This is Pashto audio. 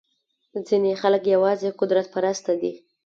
ځینې خلک یوازې قدرت پرسته دي.